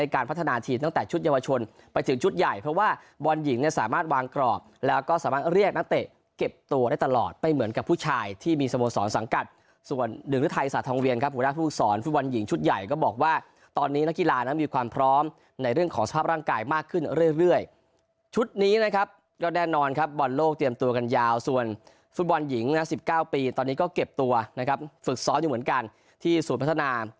การพัฒนาทีมตั้งแต่ชุดเยาวชนไปถึงชุดใหญ่เพราะว่าบอลหญิงเนี่ยสามารถวางกรอบแล้วก็สามารถเรียกนักเตะเก็บตัวได้ตลอดไม่เหมือนกับผู้ชายที่มีสโมสรสังกัดส่วนดึงฤทัยศาสตร์ทองเวียนครับหัวหน้าผู้สอนฟุตบอลหญิงชุดใหญ่ก็บอกว่าตอนนี้นักกีฬานะมีความพร้อมในเรื่องของสภา